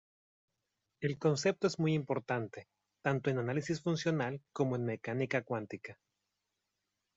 El concepto es muy importante tanto en análisis funcional como en mecánica cuántica.